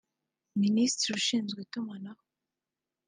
Minisitiri ushinzwe itumanaho